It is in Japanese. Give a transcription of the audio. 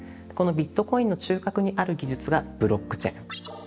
このビットコインの中核にある技術がブロックチェーン。